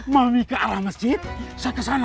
mami ke arah masjid saya ke sana